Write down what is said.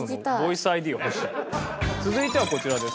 続いてはこちらです。